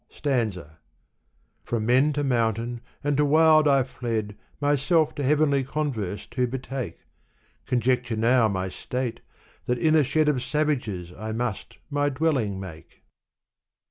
Stanza. From men to mountain and to wild I fled Myself to heavenly converse to betake ; Conjecture now my state, that in a shed Of savages I must my dwelling make."